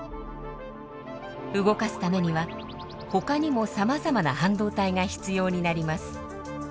動かすためにはほかにもさまざまな半導体が必要になります。